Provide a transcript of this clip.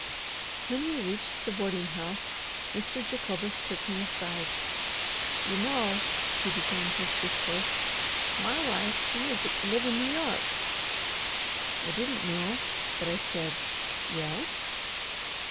When we reached the boarding house, Mr. Jacobus took me aside. "You know," he began his discourse, "my wife she uset to live in N' York!" I didn't know, but I said "Yes."